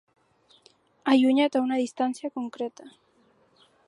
Allunyat a una distància concreta.